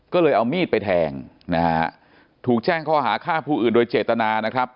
ก็เลยเอามีดไปแทงนะฮะถูกแจ้งข้อหาฆ่าผู้อื่นโดยเจตนานะครับ